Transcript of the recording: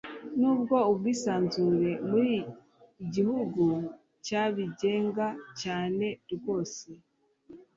Ntabwo ubwisanzure muri "igihugu cyabigenga cyane rwose")